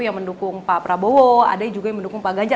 yang mendukung pak prabowo ada juga yang mendukung pak ganjar